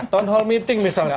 town hall meeting misalnya